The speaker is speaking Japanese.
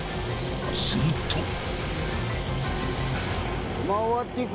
すると。